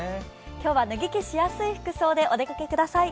今日は脱ぎ着しやすい服装でお出かけください。